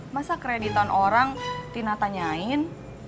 masa kreditan orang tina tanyain